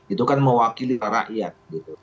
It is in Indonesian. itu kan mewakili rakyat